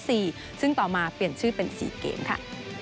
ซึ่งต่อมาเปลี่ยนชื่อเป็น๔เกมค่ะ